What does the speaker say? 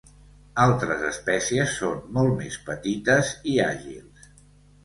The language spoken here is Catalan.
Altres espècies són molt més petites i àgils.